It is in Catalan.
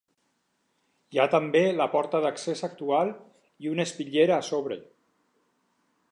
Hi ha també la porta d'accés actual i una espitllera a sobre.